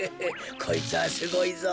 こいつはすごいぞ！